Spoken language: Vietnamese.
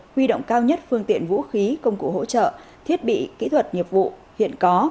huy động cao nhất phương tiện vũ khí công cụ hỗ trợ thiết bị kỹ thuật nghiệp vụ hiện có